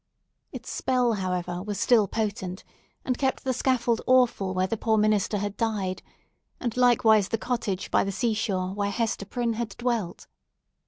Its spell, however, was still potent, and kept the scaffold awful where the poor minister had died, and likewise the cottage by the sea shore where Hester Prynne had dwelt.